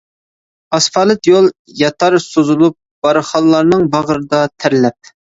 ئاسفالت يول ياتار سوزۇلۇپ، بارخانلارنىڭ باغرىدا تەرلەپ.